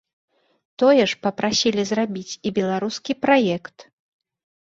Тое ж папрасілі зрабіць і беларускі праект.